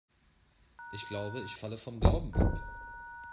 Ich glaube, ich falle vom Glauben ab.